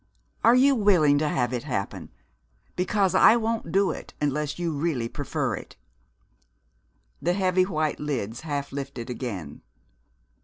Are you willing to have it happen? Because I won't do it unless you really prefer it." The heavy white lids half lifted again.